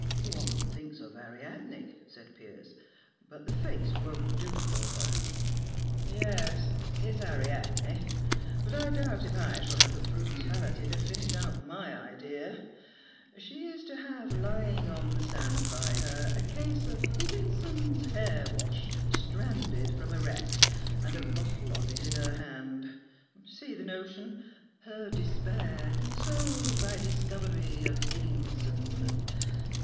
"One thinks of Ariadne," said Piers, "but the face won't do for her." "Yes, it's Ariadne but I doubt if I shall have the brutality to finish out my idea. She is to have lying on the sand by her a case of Higginson's Hair wash, stranded from a wreck, and a bottle of it in her hand. See the notion? Her despair consoled by discovery of Higginson!"